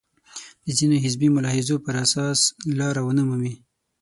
د ځینو حزبي ملاحظو پر اساس لاره ونه مومي.